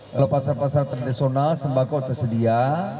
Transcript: kalau pasar pasar tradisional sembako tersedia